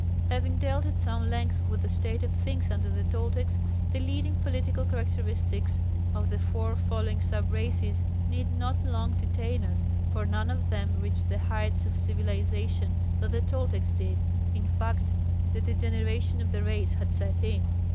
Having dealt at some length with the state of things under the Toltecs, the leading political characteristics of the four following sub races need not long detain us, for none of them reached the heights of civilization that the Toltecs did in fact the degeneration of the race had set in.